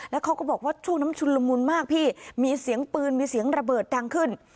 แล้วเขาก็บอกว่าช่วงนั้นชุนละมุนมากพี่มีเสียงปืนมีเสียงระเบิดดังขึ้น